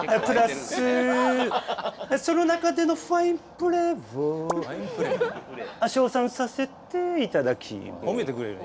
プラスその中でのファインプレーを称賛させていただきます。